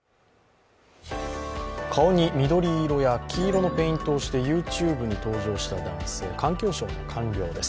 顔に緑色や黄色のペイントをしてＹｏｕＴｕｂｅに登場した男性環境省の官僚です。